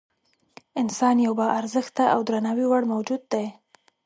انسان یو با ارزښته او د درناوي وړ موجود دی.